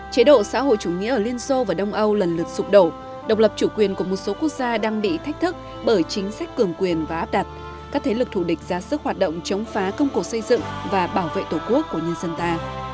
chế độ xã hội chủ nghĩa ở liên xô và đông âu lần lượt sụp đổ độc lập chủ quyền của một số quốc gia đang bị thách thức bởi chính sách cường quyền và áp đặt các thế lực thủ địch ra sức hoạt động chống phá công cụ xây dựng và bảo vệ tổ quốc của nhân dân ta